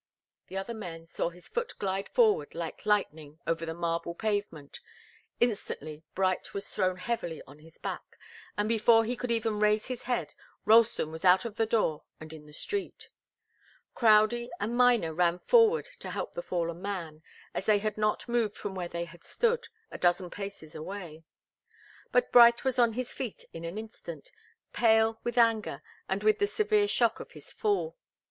The other men saw his foot glide forward like lightning over the marble pavement. Instantly Bright was thrown heavily on his back, and before he could even raise his head, Ralston was out of the door and in the street. Crowdie and Miner ran forward to help the fallen man, as they had not moved from where they had stood, a dozen paces away. But Bright was on his feet in an instant, pale with anger and with the severe shock of his fall.